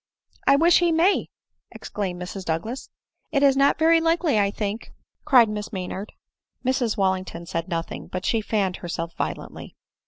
" I wish he may !" exclaimed Mrs Douglas. " It is not very likely, I think," cried Miss Maynard. Mrs Wallington said nothing ; but she fanned herself violently.